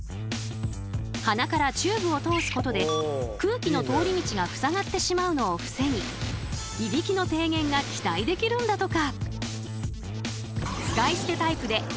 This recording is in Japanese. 鼻からチューブを通すことで空気の通り道がふさがってしまうのを防ぎいびきの低減が期待できるんだとか！